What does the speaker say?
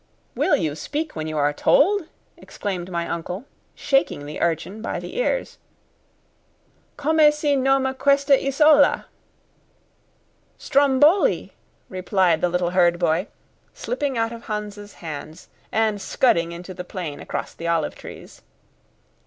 "Will you speak when you are told?" exclaimed my uncle, shaking the urchin by the ears. "Come si noma questa isola?" "STROMBOLI," replied the little herdboy, slipping out of Hans' hands, and scudding into the plain across the olive trees.